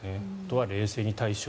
あとは冷静に対処